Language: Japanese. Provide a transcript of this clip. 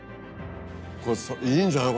これいいんじゃない？